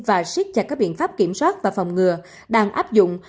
và siết chặt các biện pháp kiểm soát và phòng ngừa đang áp dụng